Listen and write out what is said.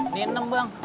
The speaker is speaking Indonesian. ini enam bang